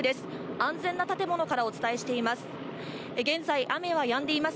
安全な建物からお伝えしてます。